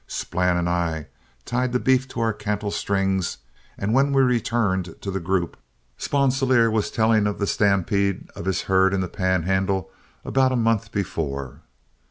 Splann and I tied the beef to our cantle strings, and when we returned to the group, Sponsilier was telling of the stampede of his herd in the Panhandle about a month before.